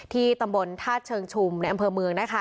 ที่ตำบลธาตุเชิงชุมในอำเภอเมืองนะคะ